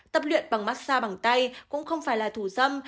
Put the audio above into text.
tập luyện bằng mát xa bằng tay cũng không phải là thủ dâm